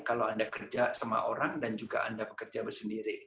kalau anda kerja sama orang dan juga anda pekerja bersendiri